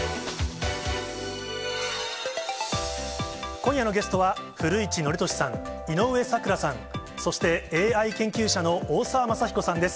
今夜のゲストは古市憲寿さん、井上咲楽さん、そしてＡＩ研究者の大澤正彦さんです。